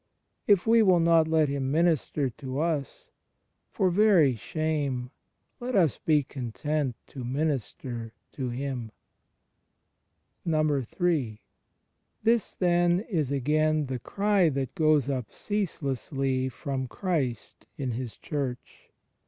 If we will not let Him minister to us, for very shame let us be content to minister to Him. III. This then is, again, the cry that goes up cease lessly from Christ in His Church.